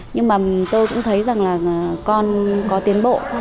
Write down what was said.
nhưng mà tôi cũng thấy rằng là con có tiến bộ